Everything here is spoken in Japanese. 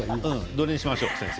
どれにしましょうか、先生。